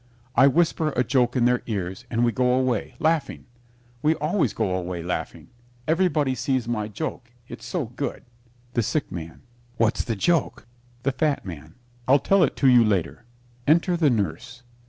I whisper a joke in their ears, and we go away, laughing. We always go away laughing. Everybody sees my joke, it's so good. THE SICK MAN What's the joke? THE FAT MAN I'll tell it to you later. Enter the Nurse.